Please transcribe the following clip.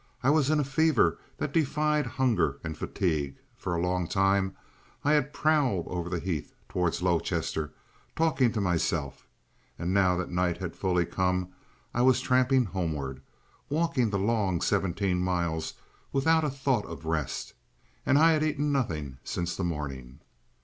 I was in a fever that defied hunger and fatigue; for a long time I had prowled over the heath towards Lowchester talking to myself, and now that night had fully come I was tramping homeward, walking the long seventeen miles without a thought of rest. And I had eaten nothing since the morning.